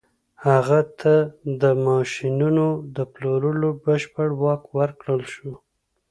هغه ته د ماشينونو د پلورلو بشپړ واک ورکړل شو.